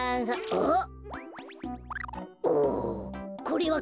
あっ！